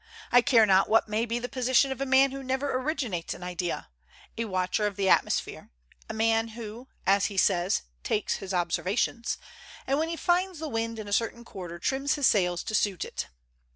I care not what may be the position of a man who never originates an idea, a watcher of the atmosphere, a man who, as he says, 'takes his observations,' and when he finds the wind in a certain quarter trims his sails to suit it.